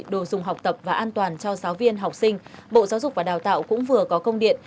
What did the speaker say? đồ dùng học tập và an toàn cho giáo viên học sinh bộ giáo dục và đào tạo cũng vừa có công điện